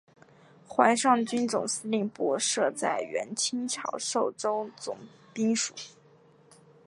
淮上军总司令部设在原清朝寿州总兵署。